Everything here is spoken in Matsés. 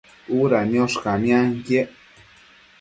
Uda niosh camianquiec